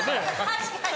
確かに。